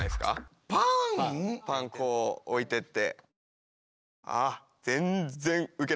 パンこう置いてって。